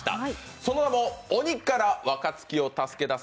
その名も、鬼から若槻を助け出せ！